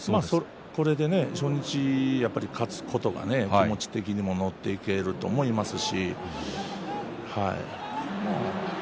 これで初日やっぱり勝つことが気持ち的にも乗っていけると思いますし、はい。